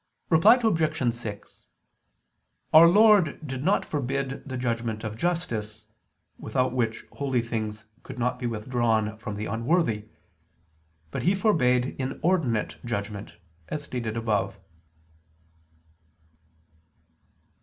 Reply Obj. 6: Our Lord did not forbid the judgment of justice, without which holy things could not be withdrawn from the unworthy. But he forbade inordinate judgment, as stated above.